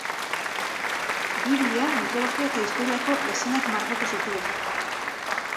Biblia, mitologia eta historiako eszenak margotu zituen.